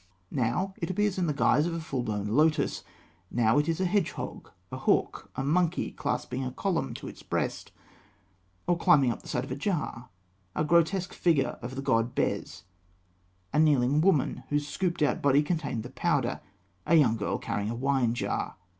Now it appears in the guise of a full blown lotus; now it is a hedgehog; a hawk; a monkey clasping a column to his breast, or climbing up the side of a jar; a grotesque figure of the god Bes; a kneeling woman, whose scooped out body contained the powder; a young girl carrying a wine jar.